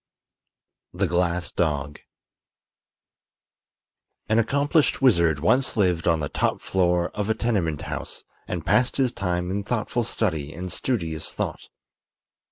THE GLASS DOG An accomplished wizard once lived on the top floor of a tenement house and passed his time in thoughtful study and studious thought.